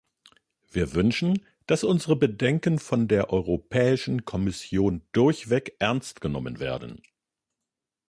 Wir wünschen, dass unsere Bedenken von der Europäischen Kommission durchweg ernst genommen werden.